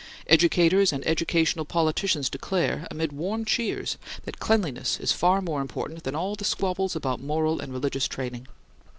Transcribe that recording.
Educators and educational politicians declare, amid warm cheers, that cleanliness is far more important than all the squabbles about moral and religious training.